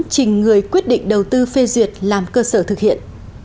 trình người quyết định đầu tư phê duyệt làm cơ sở thực hiện